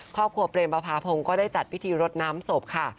ครอบครัวเปรมประพาพงศ์ก็ได้จัดพิธีรดน้ำศพค่ะ